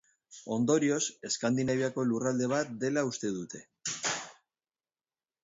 Ondorioz Eskandinaviako lurralde bat dela uste dute.